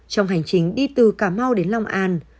trong hành trình đi từ cà mau đến long an